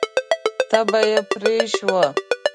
تبه یې پرې شوه.